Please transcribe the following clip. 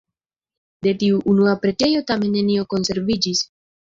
De tiu unua preĝejo tamen nenio konserviĝis.